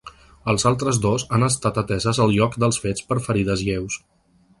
Els altres dos han estat ateses al lloc dels fets per ferides lleus.